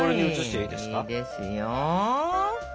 いいですよ。